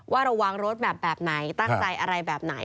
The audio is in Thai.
ว่าระวังรถแบบไหนตั้งใจอะไรแบบไหน